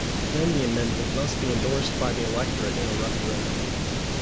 Then the amendment must be endorsed by the electorate in a referendum.